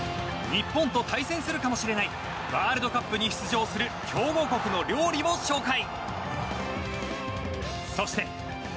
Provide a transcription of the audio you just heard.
日本と対戦するかもしれないワールドカップに出場する強豪国の料理を紹介。